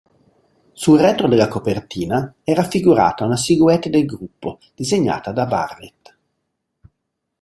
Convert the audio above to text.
Sul retro copertina è raffigurata una silhouette del gruppo, disegnata da Barrett.